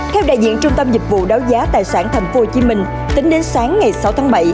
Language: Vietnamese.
theo đại diện trung tâm dịch vụ đấu giá tài sản tp hcm tính đến sáng ngày sáu tháng bảy